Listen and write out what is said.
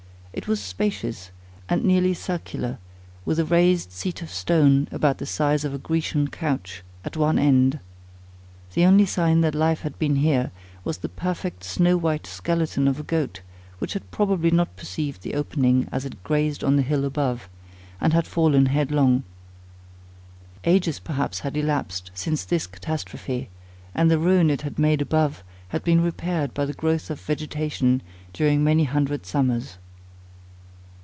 It was spacious, and nearly circular, with a raised seat of stone, about the size of a Grecian couch, at one end. The only sign that life had been here, was the perfect snow white skeleton of a goat, which had probably not perceived the opening as it grazed on the hill above, and had fallen headlong. Ages perhaps had elapsed since this catastrophe; and the ruin it had made above, had been repaired by the growth of vegetation during many hundred summers.